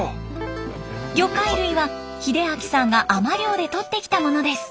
魚介類は秀明さんが海人漁でとってきたものです。